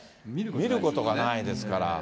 見ることないですから。